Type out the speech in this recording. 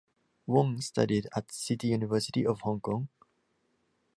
Wong studied at City University of Hong Kong.